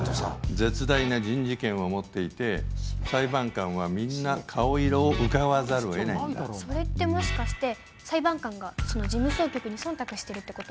絶大な人事権を持っていて裁判官はみんな顔色をうかがわざるをえないんだそれってもしかして裁判官がその事務総局に忖度してるってこと？